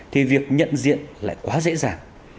thì việc nhận diện lại quá dễ dàng